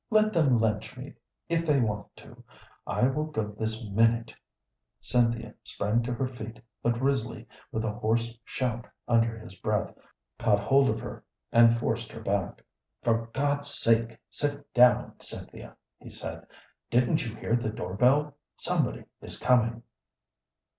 Let them lynch me if they want to. I will go this minute!" Cynthia sprang to her feet, but Risley, with a hoarse shout under his breath, caught hold of her and forced her back. "For God's sake, sit down, Cynthia!" he said. "Didn't you hear the door bell? Somebody is coming."